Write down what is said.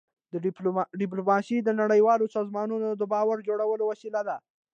ډيپلوماسي د نړیوالو سازمانونو د باور جوړولو وسیله ده.